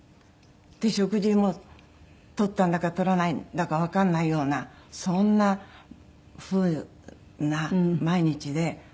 食事も取ったんだか取らないんだかわかんないようなそんなふうな毎日で。